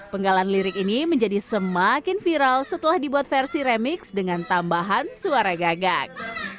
penggalan lirik ini menjadi semakin viral setelah dibuat versi remix dengan tambahan suara gagak